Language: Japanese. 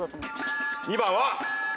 ２番は。